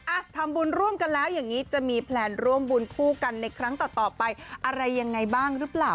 อ่ะทำบุญร่วมกันแล้วอย่างนี้จะมีแพลนร่วมบุญคู่กันในครั้งต่อต่อไปอะไรยังไงบ้างหรือเปล่า